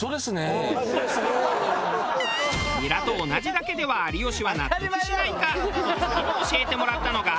ニラと同じだけでは有吉は納得しないか？と次に教えてもらったのが。